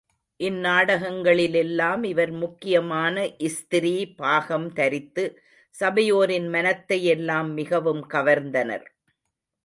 இந்நாடகங்களிலெல்லாம் இவர் முக்கியமான ஸ்திரீ பாகம் தரித்து, சபையோரின் மனத்தையெல்லாம் மிகவும் கவர்ந்தனர்.